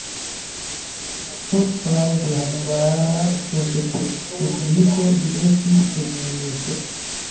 Post falo de Hungara Sovetrespubliko li estis subministro.